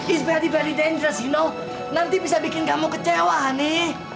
it's very very dangerous lino nanti bisa bikin kamu kecewa hani